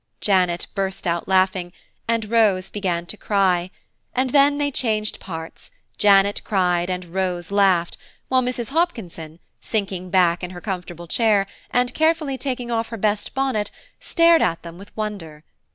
Janet burst out laughing, and Rose began to cry; and then they changed parts, Janet cried, and Rose laughed, while Mrs. Hopkinson, sinking back in her comfortable chair, and carefully taking off her best bonnet, stared at them with wonder.